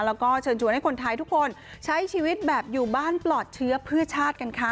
แล้วก็เชิญชวนให้คนไทยทุกคนใช้ชีวิตแบบอยู่บ้านปลอดเชื้อเพื่อชาติกันค่ะ